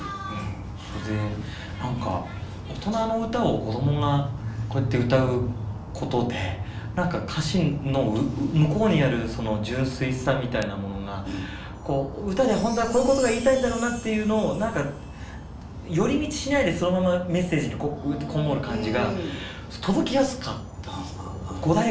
それで何かオトナの歌を子どもがこうやって歌うことで何か歌詞の向こうにあるその純粋さみたいなものが歌でほんとはこういうことが言いたいんだろうなっていうのを何か寄り道しないでそのまま「メッセージ」に籠もる感じが届きやすかった。